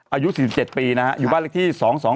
อายุ๔๗ปีนะฮะอยู่บ้านเลขที่๒๒